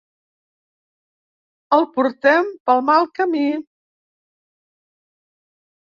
El portem pel mal camí.